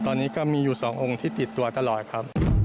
ตอนนี้ก็มีอยู่๒องค์ที่ติดตัวตลอดครับ